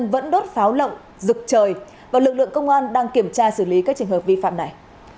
và lực lượng công an đang kiểm tra xử lý các trình hợp vi phạm này